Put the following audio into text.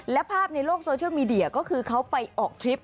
และภาพในโลกโซเชียลมีเดียก็คือเขาไปออกทริป